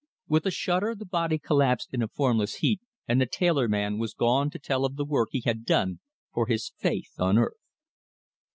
With a shudder the body collapsed in a formless heap, and the tailor man was gone to tell of the work he had done for his faith on earth.